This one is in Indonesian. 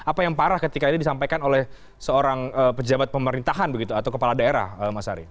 apa yang parah ketika ini disampaikan oleh seorang pejabat pemerintahan begitu atau kepala daerah mas ari